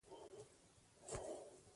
له همدې امله خلکو د سرغړاوي جرات نه کاوه.